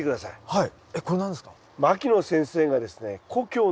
はい。